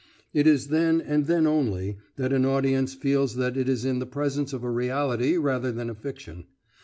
It is then, and then only, that an audience feels that it is in the presence of a reality rather than a fiction.